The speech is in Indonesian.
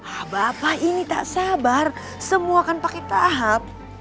ah bapak ini tak sabar semua akan pakai tahap